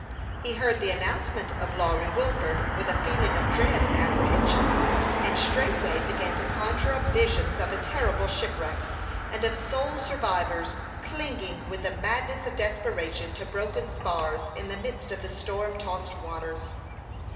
He heard the announcement of Lawry Wil ford with a feeling of dread and apprehension, and straightway began to conjure up visions of a terrible shipwreck, and of sole survivors, clinging with the madness of desperation to broken spars, in the midst of the storm tossed waters.